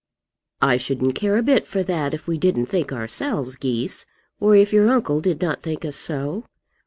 "I shouldn't care a bit for that, if we didn't think ourselves geese, or if your uncle did not think us so."